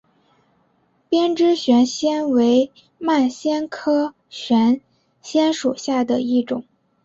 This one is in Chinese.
鞭枝悬藓为蔓藓科悬藓属下的一个种。